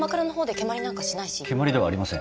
蹴まりではありません。